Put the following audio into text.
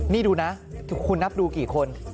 นี่ดูนะคุณนับดูกี่คน